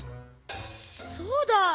そうだ！